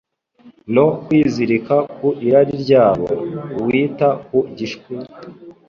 no kwizirika ku irari ryabo. Uwita ku gishwi,